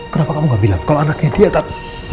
kenapa kamu gak bilang kalau anaknya dia tapi